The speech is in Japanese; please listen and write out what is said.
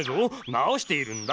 なおしているんだ。